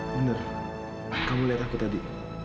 benar kamu lihat aku tadi